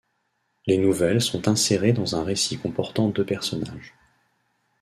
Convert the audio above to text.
Les nouvelles sont insérées dans un récit comportant deux personnages.